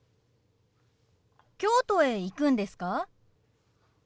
京都へ行くんですか？